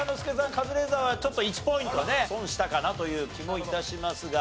カズレーザーはちょっと１ポイントね損したかなという気も致しますが。